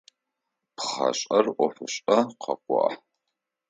Пхъашӏэр ӏофышӏэ къэкӏуагъ.